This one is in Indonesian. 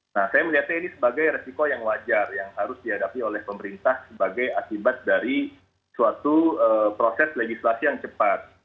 nah saya melihatnya ini sebagai resiko yang wajar yang harus dihadapi oleh pemerintah sebagai akibat dari suatu proses legislasi yang cepat